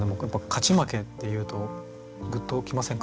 勝ち負けっていうとグッときませんか？